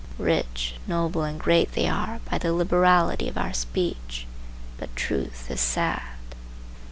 Rich, noble and great they are by the liberality of our speech, but truth is sad.